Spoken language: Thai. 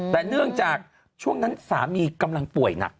แต่เนื่องจากช่วงนั้นสามีกำลังป่วยหนัก